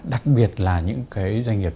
đặc biệt là những doanh nghiệp